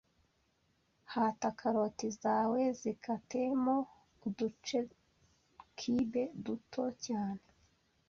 Hata karoti zawe zikate mo udu-cube duto cyane